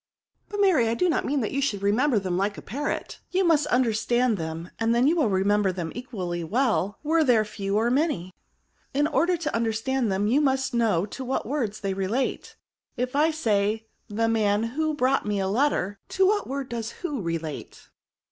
*'^^ But, Mary, I do not mean that you RELATIVE PRONOUNS. 18S should remember them like a parrot; you must understand them^ and then you would remember them equally well, were there few or many. In order to understand them, you must know to what words they relate* If I say, the man who brought me a letter, to what word does who relate